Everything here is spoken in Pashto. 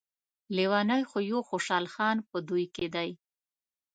لیونی خو يو خوشحال خان په دوی کې دی.